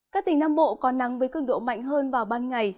các tỉnh nam bộ có nắng với cường độ mạnh hơn vào ban ngày